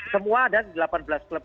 semua ada delapan belas klub